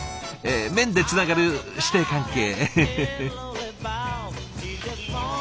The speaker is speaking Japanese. え麺でつながる師弟関係。